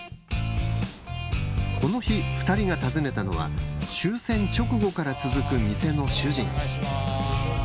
この日、２人が訪ねたのは終戦直後から続く店の主人。